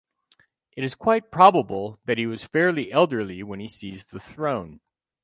It is quite probable that he was fairly elderly when he seized the throne.